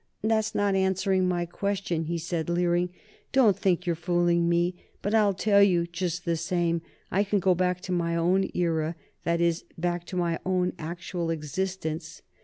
"That's not answering my question," he said, leering. "Don't think you're fooling me! But I'll tell you, just the same. I can go back to my own era: that is, back to my own actual existence.